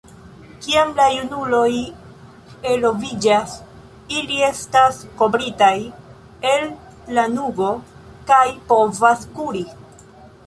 Kiam la junuloj eloviĝas, ili estas kovritaj el lanugo kaj povas kuri.